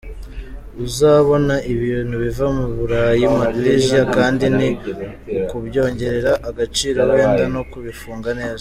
Uzabona ibintu biva mu Burayi, Malaysia, kandi ni ukubyongerera agaciro wenda no kubifunga neza.